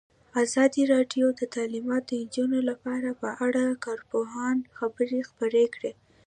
ازادي راډیو د تعلیمات د نجونو لپاره په اړه د کارپوهانو خبرې خپرې کړي.